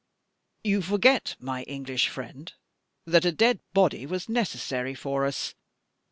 "You forget, my English friend, that a dead body was necessary for us.